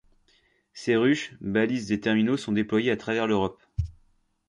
Ces ruches, balises et terminaux sont déployés à travers l'Europe.